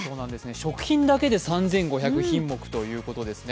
食品だけで３５００品目ということですね。